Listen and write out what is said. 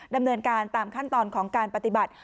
ดำเนินการตามขั้นตอนของการปฏิบัติ